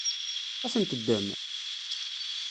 Ad ten-teddem?